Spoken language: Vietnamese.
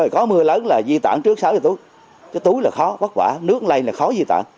có mưa lớn là di tản trước sáu thì cái túi là khó vất vả nước lây là khó di tản